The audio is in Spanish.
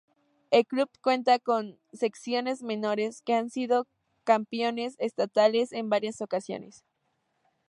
El club cuenta con secciones menores que han sido campeones estatales en varias ocasiones.